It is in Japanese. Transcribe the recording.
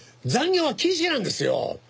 残業は禁止なんですよ！